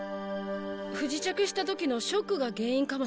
不時着した時のショックが原因かもしれません。